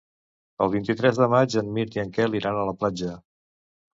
El vint-i-tres de maig en Mirt i en Quel iran a la platja.